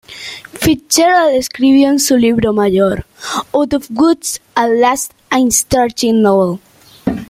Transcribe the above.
Fitzgerald escribió en su libro mayor, "Out of woods at last and starting novel.